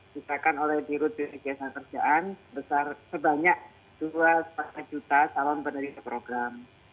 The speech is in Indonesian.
diserahkan oleh bgjs naga kerjaan sebesar sebanyak dua lima juta calon penerima program